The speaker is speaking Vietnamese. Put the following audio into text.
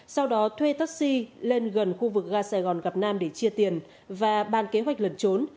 sau đó thuê taxi lên gần khu vực ga sài gòn gặp nam để chia tiền và ban kế hoạch lần trốn